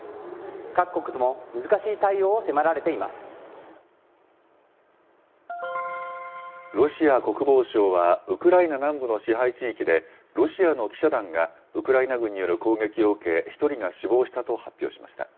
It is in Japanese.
各国とも難しい対応を迫られていロシア国防省は、ウクライナ南部の支配地域でロシアの記者団がウクライナ軍による攻撃を受け、１人が死亡したと発表しました。